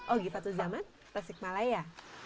ogifat tuzaman resik malaya